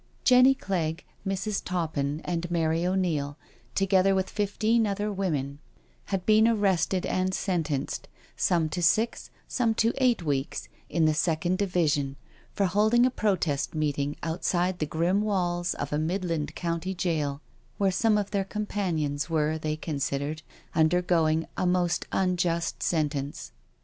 Jenny Clegg, Mrs. Toppin, and Mary O'Neil, to gether with fifteen other women, had been arrested and sentenced, some to six, some eight weeks, in the second division, for holding a protest meeting outside the grim walls of a Midland county jail, where some of their companions were^ they considered, undergoing a most unjust sentence.